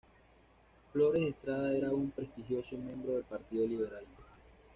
Flores Estrada era un prestigioso miembro del partido liberal.